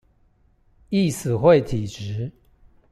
易死會體質